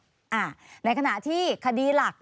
เรื่องของลอตเตอรี่๑๒ล้าน๒ใบที่ว่านี้เนี่ย